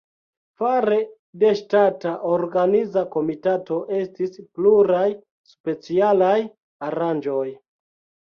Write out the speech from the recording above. Fare de ŝtata organiza komitato estis pluraj specialaj aranĝoj.